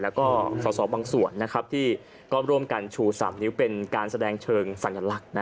แล้วก็สอสอบางส่วนที่ก็ร่วมกันชู๓นิ้วเป็นการแสดงเชิงสัญลักษณ์